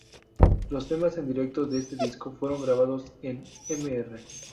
Los temas en directo de este disco fueron grabados en "Mr.